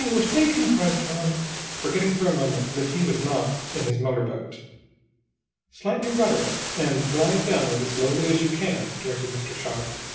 We're sinking!" cried Tom, forgetting for a moment that he was not in his motor boat. "Slant your rudder up, and glide downward as slowly as you can!" directed Mr. Sharp.